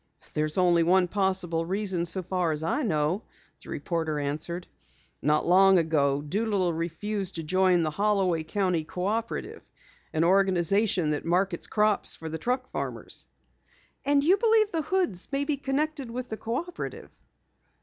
"There's only one possible reason so far as I know," the reporter answered. "Not long ago Doolittle refused to join the Holloway County Cooperative, an organization that markets crops for the truck farmers." "And you believe the Hoods may be connected with the Cooperative?"